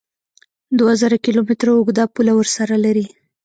دوه زره کیلو متره اوږده پوله ورسره لري